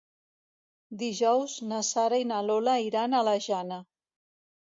Dijous na Sara i na Lola iran a la Jana.